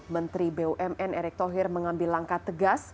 menteri bumn erick thohir mengambil langkah tegas